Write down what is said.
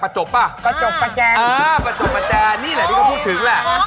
จบป่ะประจบประแจงอ่าประจบประแจนี่แหละที่เขาพูดถึงแหละ